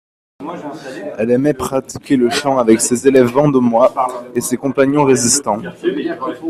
Elle aimait pratiquer le chant avec ses élèves vendômois et ses compagnons résistants.